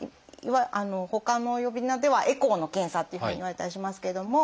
ほかの呼び名ではエコーの検査っていうふうにいわれたりしますけども。